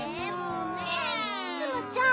ツムちゃん